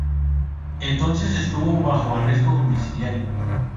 Entonces estuvo bajo arresto domiciliario